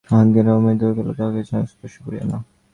আঘাত যেন অত্যন্ত মৃদু হইয়া গেল, তাহাকে যেন স্পর্শ করিল না।